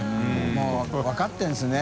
發分かってるんですね。